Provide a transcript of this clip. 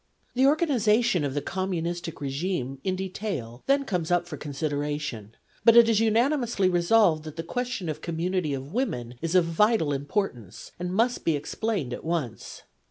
The organiza tion of the communistic regime in detail then comes up for consideration, but it is unanimously resolved that the question of community of women is of vital importance and must be explained at once.